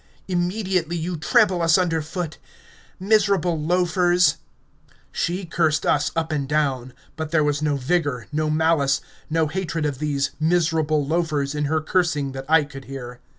Immediately you trample us underfoot... Miserable loafers" She cursed us up and down, but there was no vigour, no malice, no hatred of these "miserable loafers" in her cursing that I could hear.